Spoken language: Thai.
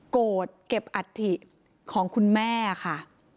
โกรธเก็บอัฐิของคุณแม่ค่ะ